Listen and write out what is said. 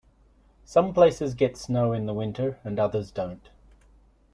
Some places get snow in the winter and others don't.